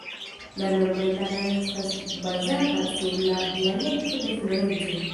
La norma itala estas bazata sur la dialekto de Florenco.